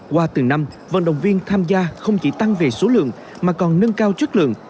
qua từng năm vận động viên tham gia không chỉ tăng về số lượng mà còn nâng cao chất lượng